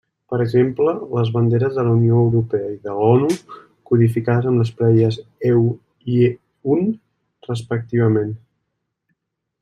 Per exemple, les banderes de la Unió Europea i de l'ONU, codificades amb les parelles EU i UN, respectivament.